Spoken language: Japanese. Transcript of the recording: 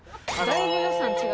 だいぶ。